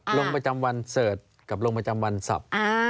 ลงบันทึกประจำวันเสิร์ธกับลงบันทึกประจำวันสับ